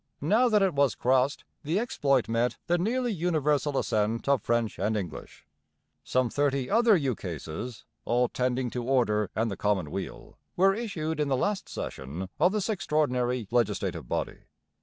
Now that it was crossed, the exploit met 'the nearly universal assent of French and English.' Some thirty other ukases, all tending to order and the common weal, were issued in the last session of this extraordinary legislative body.